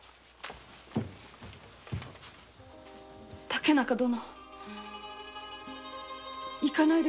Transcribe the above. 竹中殿！